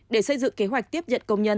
để xây dựng kế hoạch tiếp nhận công nhân